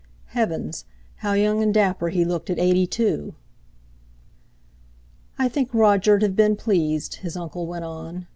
Heavens! How young and dapper he looked at eighty two! "I think Roger'd have been pleased," his uncle went on.